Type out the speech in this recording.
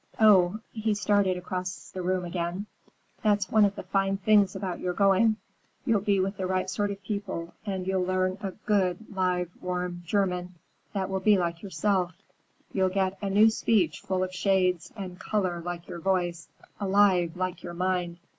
Oh,"—he started across the room again,—"that's one of the fine things about your going! You'll be with the right sort of people and you'll learn a good, live, warm German, that will be like yourself. You'll get a new speech full of shades and color like your voice; alive, like your mind.